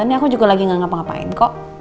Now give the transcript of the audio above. ini aku juga lagi gak ngapa ngapain kok